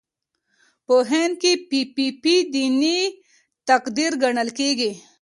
په هند کې پي پي پي دیني تقدیر ګڼل کېږي.